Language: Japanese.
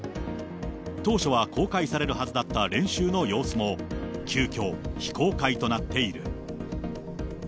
当初は公開されるはずだった練習の様子も、急きょ、非公開となっている。